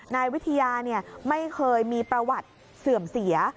นายวิทยาไม่เคยมีประวัติเสื่อมเสีย